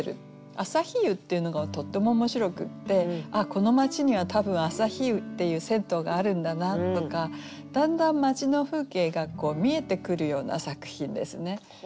「あさひ湯」っていうのがとっても面白くってああこの町には多分「あさひ湯」っていう銭湯があるんだなとかだんだん町の風景が見えてくるような作品ですね。